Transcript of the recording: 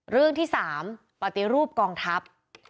เรื่องที่๓ปฏิรูปกองทัพ